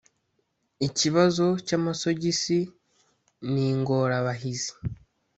ikibazo cy’ amasogisi ni ingorabahizi